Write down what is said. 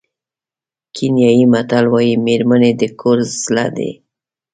کینیايي متل وایي مېرمنې د کور زړه دي.